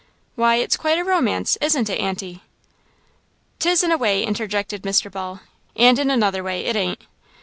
"Why, it's quite a romance, isn't it, Aunty?" "'T is in a way," interjected Mr. Ball, "and in another way, 't ain't."